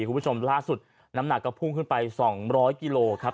คุณผู้ชมล่าสุดน้ำหนักก็พุ่งขึ้นไป๒๐๐กิโลครับ